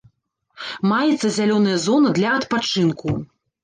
Маецца зялёная зона для адпачынку.